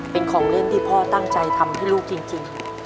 เป็นของเล่นที่พ่อตั้งใจทำให้ลูกจริง